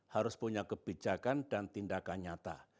harus punya kebijakan dan tindakan nyata